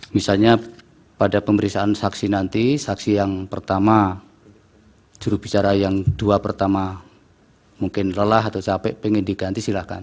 misalnya pada pemeriksaan saksi nanti saksi yang pertama jurubicara yang dua pertama mungkin lelah atau capek pengen diganti silahkan